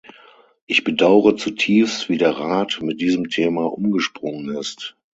Ich bedauere zutiefst, wie der Rat mit diesem Thema umgesprungen ist.